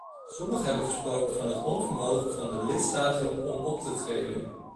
Sommigen hebben gesproken van het onvermogen van de lidstaten om op te treden.